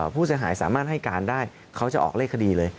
ผู้เสียหายสามารถให้การได้เขาจะออกเลขคดีเลย